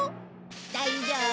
大丈夫。